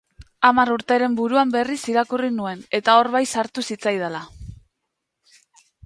Hamar urteren buruan berriz irakurri nuen, eta hor bai sartu zitzaidala.